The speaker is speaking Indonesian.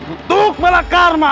untuk melak karma